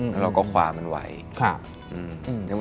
แล้วเราก็คว้ามันไหว